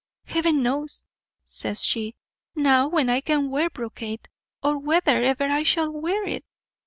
"Heaven knows," says she, "now when I can wear brocade, or whether ever I shall wear it."